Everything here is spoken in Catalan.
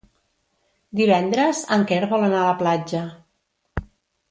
Divendres en Quer vol anar a la platja.